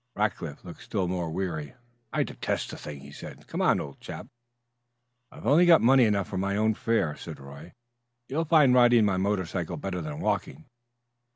Rackliff looked still more weary. "I detest the thing," he said. "Come, old chap " "I've got only money enough for my own fare," said Roy. "You'll find riding my motorcycle better than walking."